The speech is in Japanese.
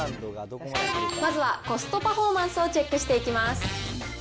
まずはコストパフォーマンスをチェックしていきます。